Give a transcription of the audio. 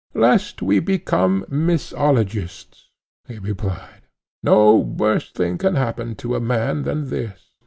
Lest we become misologists, he replied, no worse thing can happen to a man than this.